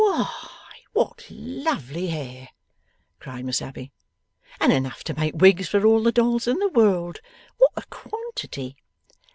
'Why, what lovely hair!' cried Miss Abbey. 'And enough to make wigs for all the dolls in the world. What a quantity!